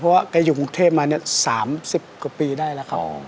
เพราะว่าแกอยู่กรุงเทพมา๓๐กว่าปีได้แล้วครับ